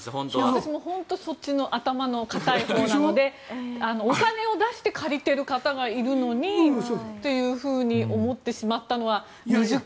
私もそっちの頭の固いほうなのでお金を出して借りている方がいるのにというふうに思ってしまったのは未熟。